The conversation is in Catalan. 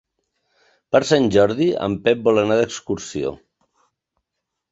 Per Sant Jordi en Pep vol anar d'excursió.